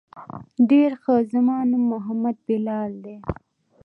ډېر ښه زما نوم محمد بلال ديه.